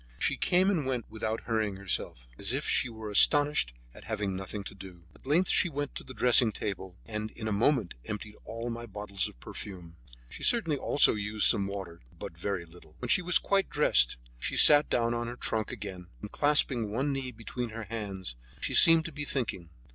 She came and went without hurrying herself, as if she were astonished at having nothing to do. At length she went to the dressing table, and in a moment emptied all my bottles of perfume. She certainly also used some water, but very little. When she was quite dressed, she sat down on her trunk again, and clasping one knee between her hands, she seemed to be thinking.